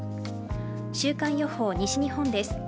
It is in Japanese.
週間予報、西日本です。